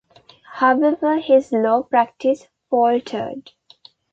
However, his law practice faltered.